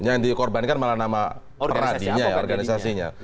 yang dikorbankan malah nama peradinya